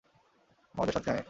আমাদের সাথে আয়।